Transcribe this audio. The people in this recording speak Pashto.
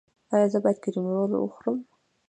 ایا زه باید کریم رول وخورم؟